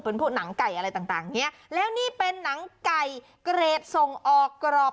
เป็นพวกหนังไก่อะไรต่างต่างเนี้ยแล้วนี่เป็นหนังไก่เกรดส่งออกกรอบ